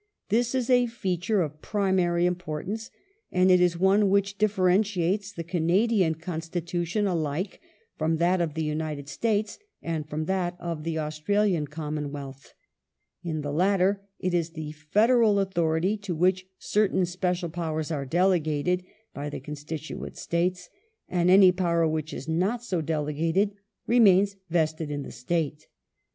This is a feature of primary importance, and it is one which differentiates the Canadian Constitution alike from that of the United States, and from that of the Australian Commonwealth. In the latter it is the federal authority to which certain special powei's are delegated by the constituent states, and any power which is not so delegated remains vested in the State.